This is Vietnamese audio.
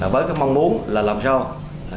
với cái mong muốn là làm sao